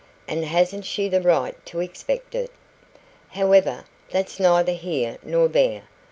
And hasn't she the right to expect it? However, that's neither here nor there.